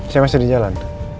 saya masih di jalan